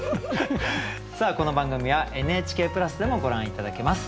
さあこの番組はＮＨＫプラスでもご覧頂けます。